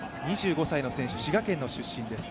２５歳の選手、滋賀県の出身です。